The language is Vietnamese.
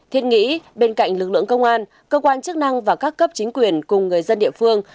thiết nghĩ bên cạnh lực lượng công an cơ quan chức năng và các cấp chính quyền cùng người dân địa phương